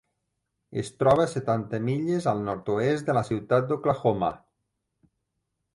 Es troba a setanta milles al nord-oest de la ciutat d'Oklahoma.